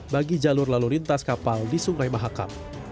bagi jalur lalu lintas kapal di sungai mahakam